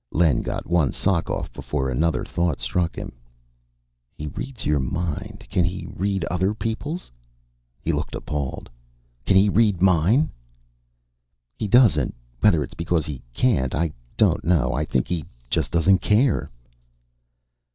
Len got one sock off before another thought struck him. "He reads your mind. Can he read other people's?" He looked appalled. "Can he read mine?" "He doesn't. Whether it's because he can't, I don't know. I think he just doesn't care."